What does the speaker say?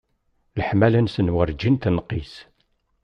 Leḥmala-nsen werǧin tenqis.